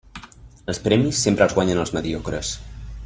Els premis sempre els guanyen els mediocres.